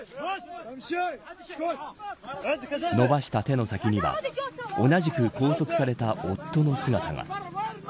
伸ばした手の先には同じく拘束された夫の姿が。